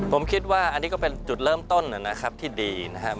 ผมคิดว่าอันนี้ก็เป็นจุดเริ่มต้นนะครับที่ดีนะครับ